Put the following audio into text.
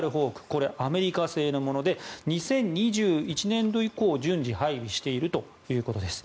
これはアメリカ製のもので２０２１年度以降順次配備しているということです。